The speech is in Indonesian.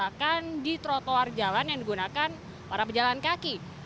makan di trotoar jalan yang digunakan para pejalan kaki